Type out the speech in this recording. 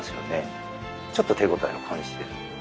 ちょっと手応えを感じてる。